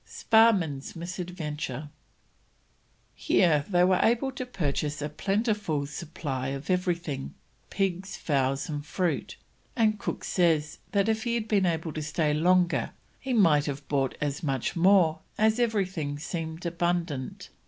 SPARRMAN'S MISADVENTURE. Here they were able to purchase a plentiful supply of everything, pigs, fowls, and fruit, and Cook says if he had been able to stay longer he might have bought as much more as everything seemed abundant.